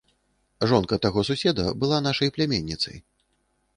Жонка таго суседа была нашай пляменніцай.